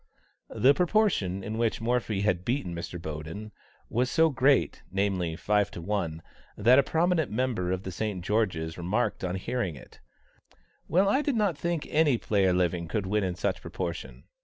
The proportion in which Morphy had beaten Mr. Boden was so great, namely, five to one, that a prominent member of the St. George's remarked on hearing it, "Well, I did not think any player living could win in such proportion."